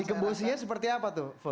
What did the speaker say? dikembosinnya seperti apa tuh